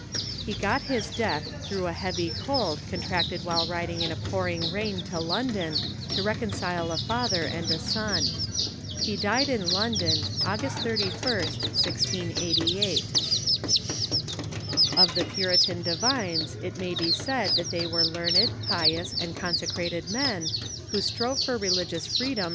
He got his death through a heavy cold contracted while riding in a pouring rain to London to reconcile a father and a son. He died in London, August 31st, 1688. Of the Puritan divines it may be said that they Avere learned, pious, and consecrated men, who strove for religious freedom „.